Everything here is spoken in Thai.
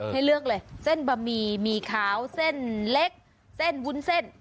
ให้เลือกเลยเส้นบะหมี่หมี่ขาวเส้นเล็กเส้นวุ้นเส้น